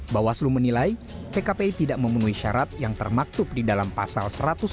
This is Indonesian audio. bawaslu menilai pkpi tidak memenuhi syarat yang termaktub di dalam pasal satu ratus enam puluh